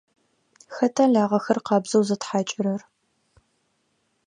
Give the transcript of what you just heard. Хэта лагъэхэр къабзэу зытхьакӏырэр?